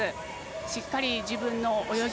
しっかり自分の泳ぎ